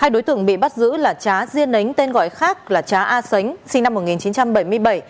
hai đối tượng bị bắt giữ là trá riêng nấy tên gọi khác là trá a sánh sinh năm một nghìn chín trăm bảy mươi bảy